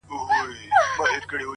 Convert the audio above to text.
نن والله پاك ته لاسونه نيسم،